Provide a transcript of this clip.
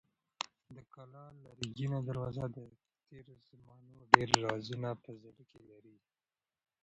د کلا لرګینه دروازه د تېرو زمانو ډېر رازونه په زړه کې لري.